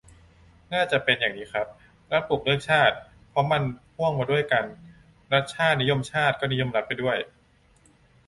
น่าจะเป็นอย่างนั้นครับ รัฐปลุกเรื่องชาติ เพราะมันพ่วงมาด้วยกัน รัฐ-ชาติ นิยมชาติ ก็นิยมรัฐไปด้วย